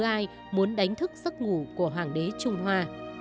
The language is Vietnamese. ai muốn đánh thức giấc ngủ của hoàng đế trung hoa